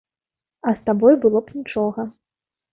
А з табой было б нічога.